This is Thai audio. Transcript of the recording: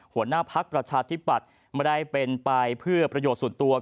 หัวหน้าพักประชาธิปัตย์ไม่ได้เป็นไปเพื่อประโยชน์ส่วนตัว